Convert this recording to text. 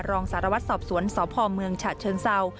รองสารวัตรสอบสวนสพเมืองฉะเชิงเศร้า